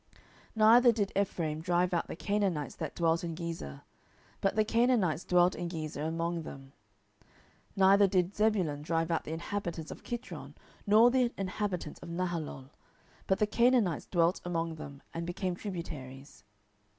07:001:029 Neither did Ephraim drive out the Canaanites that dwelt in Gezer; but the Canaanites dwelt in Gezer among them. 07:001:030 Neither did Zebulun drive out the inhabitants of Kitron, nor the inhabitants of Nahalol; but the Canaanites dwelt among them, and became tributaries.